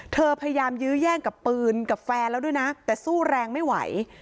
พยายามยื้อแย่งกับปืนกับแฟนแล้วด้วยนะแต่สู้แรงไม่ไหว